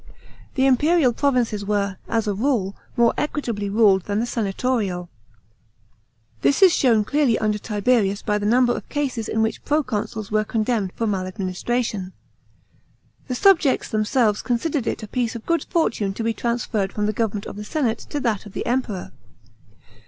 The imperial provinces were, as a rule, more equitably ruled than the senatorial. This is Jio ,vn clearly under Tiberius by the number of cases in which proconsuls were condemned for maladministration.* The subjects themselves considered it a piece of good fortune to be transferred from the government of the senate to that of the Emperor.